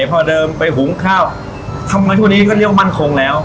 พ่อเดิมไปหุงข้าวทำไมช่วงนี้ก็เรียกว่ามั่นคงแล้ว